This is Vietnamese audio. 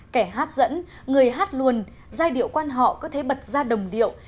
kẻ hát dẫn người hát luôn giai điệu quan họ có thể bật ra đồng điệu